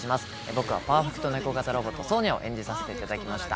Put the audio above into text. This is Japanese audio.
僕はパーフェクトネコ型ロボットソーニャを演じさせて頂きました。